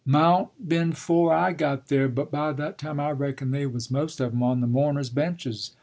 “Mought been 'fore I got there. But by that time I reckon they was most of 'em on the mourners' benches.